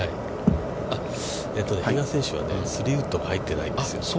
比嘉選手は３ウッドが入ってないんですよ。